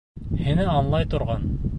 Һине аңлай торған.